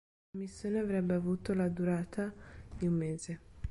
La missione avrebbe avuto la durata di un mese.